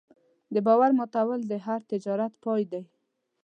د باور ماتول د هر تجارت پای دی.